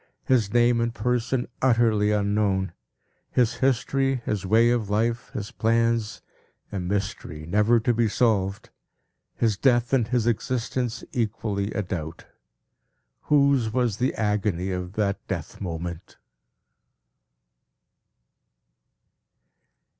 His name and person utterly unknown; his history, his way of life, his plans, a mystery never to be solved; his death and his existence equally a doubt! Whose was the agony of that death moment?